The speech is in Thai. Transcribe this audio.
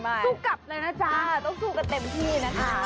สู้กลับเลยนะจ๊ะต้องสู้กันเต็มที่นะคะ